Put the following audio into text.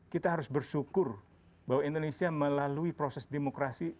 kita harus bersyukur bahwa indonesia melalui proses demokrasi dua puluh an tahun